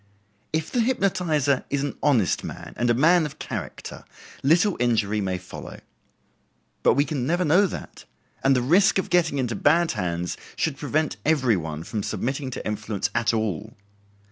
If the hypnotizer is an honest man, and a man of character, little injury may follow. But we can never know that, and the risk of getting into bad hands should prevent every one from submitting to influence at all.